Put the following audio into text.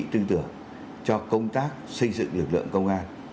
chính trị tư tửa cho công tác xây dựng lực lượng công an